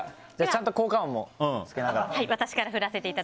ちゃんと効果音もつけながら。